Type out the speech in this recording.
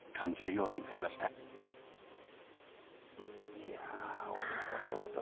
いや王林ちゃんどうだった？